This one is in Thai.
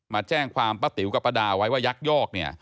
มาแจ้งความป้าติ๋วกับป้าดาไว้ว่ายักยอกเนี่ย